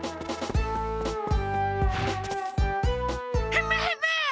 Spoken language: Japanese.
ヘムヘム！